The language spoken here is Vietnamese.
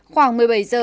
khoảng một mươi bảy giờ